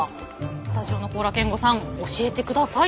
スタジオの高良健吾さん教えてください。